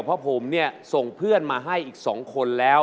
เพราะผมส่งเพื่อนมาให้อีกสองคนแล้ว